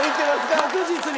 確実に。